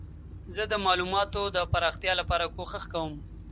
زه د معلوماتو د پراختیا لپاره کوښښ کوم.